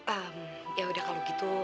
ah ya udah kalau gitu